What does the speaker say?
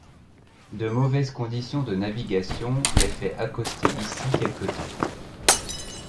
De mauvaises conditions de navigation les fait accoster ici quelque temps.